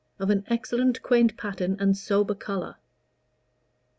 of an excellent quaint pattern and sober color."